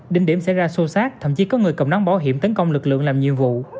đến điểm xảy ra sô sát thậm chí có người cầm nón bảo hiểm tấn công lực lượng làm nhiệm vụ